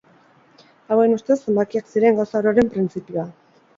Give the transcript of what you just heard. Hauen ustez zenbakiak ziren gauza ororen printzipioa.